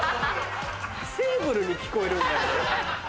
「セーブル」に聞こえるんだよね。